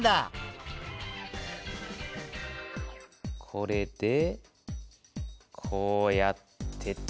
これでこうやってと。